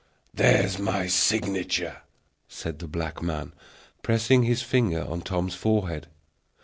"There's my signature," said the black man, pressing his finger on Tom's forehead.